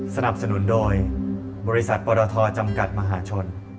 สนับสนุนโดยบริษัทปรทจำกัดมหาชน